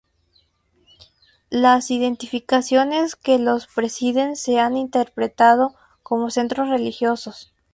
Las edificaciones que los presiden se han interpretado como centros religiosos.